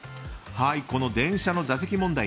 電車の座席問題